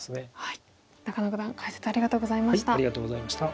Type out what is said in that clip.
中野九段解説ありがとうございました。